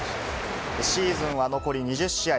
シーズンは残り２０試合。